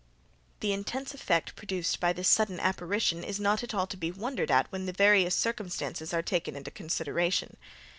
The intense effect produced by this sudden apparition is not at all to be wondered at when the various circumstances are taken into consideration.